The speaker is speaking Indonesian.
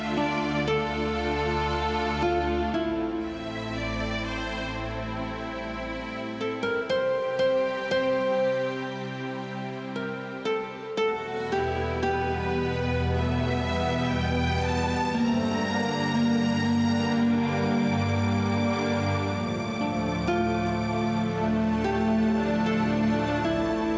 terima kasih amira